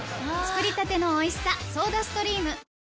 作りたてのおいしさソーダストリーム。